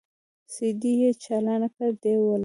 سي ډي يې چالانه کړه دى ولاړ.